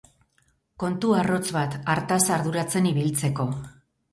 Kontu arrotz bat, hartaz arduratzen ibiltzeko.